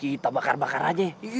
kita bakar bakar aja